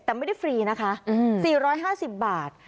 แต่ไม่ได้ฟรีนะคะ๔๕๐บาท